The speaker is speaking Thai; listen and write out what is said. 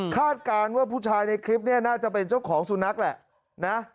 การว่าผู้ชายในคลิปเนี่ยน่าจะเป็นเจ้าของสุนัขแหละนะ